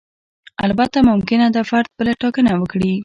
البته ممکنه ده فرد بله ټاکنه وکړي.